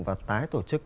và tái tổ chức